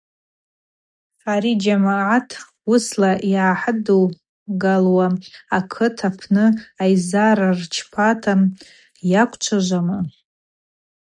Ари джьамгӏат уыста йгӏахӏыдугалуа, акыт апны айззара рчпата йаквчважвама?